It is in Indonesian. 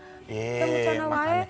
kamu jangan awal ya